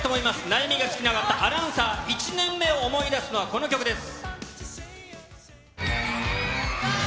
悩みが尽きなかったアナウンサー１年目を思い出すのは、この曲です。